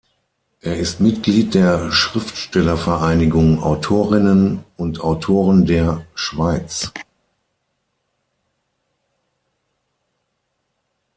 Er ist Mitglied der Schriftstellervereinigung Autorinnen und Autoren der Schweiz.